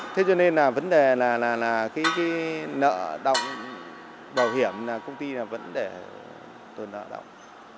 thế cho nên là vấn đề là cái nợ động bảo hiểm là công ty là vấn đề tồn đạo động